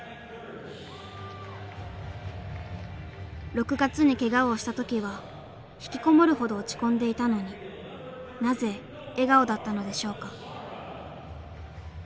６月にケガをした時は引きこもるほど落ち込んでいたのになぜ笑顔だったのでしょうか？